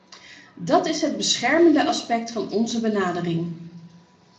Dat is het beschermende aspect van onze benadering.